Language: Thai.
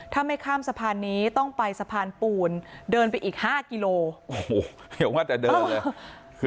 ถ้าไม่ข้ามสะพานนี้ต้องไปสะพานปูนเดินไปอีก๕กิโลโอ้โหเดี๋ยวมาแต่เดิมเลย